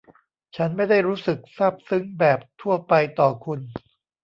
ฉันไม่ได้รู้สึกซาบซึ้งแบบทั่วไปต่อคุณ